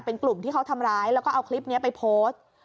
เป็นกลุ่มที่เขาทำร้ายแล้วก็เอาคลิปนี้ไปโพสต์